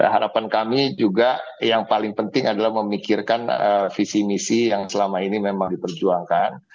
harapan kami juga yang paling penting adalah memikirkan visi misi yang selama ini memang diperjuangkan